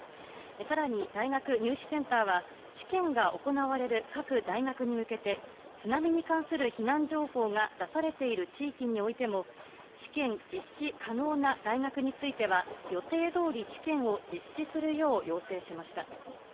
さらに大学入試センターは、試験が行われる各大学に向けて、津波に関する避難情報が出されている地域においても、試験実施可能な大学については、予定どおり試験を実施するよう要請しました。